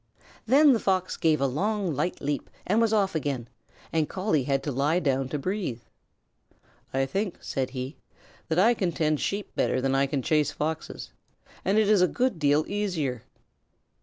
Then the Fox gave a long, light leap, and was off again, and Collie had to lie down to breathe. "I think," said he, "that I can tend Sheep better than I can chase Foxes and it is a good deal easier."